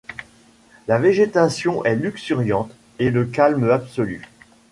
La végétation est luxuriante et le calme absolu.